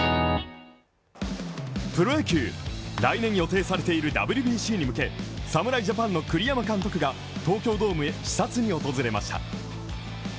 プロ野球、来年予定されているＷＢＣに向け侍ジャパンの栗山監督が東京ドームへ視察に訪れました。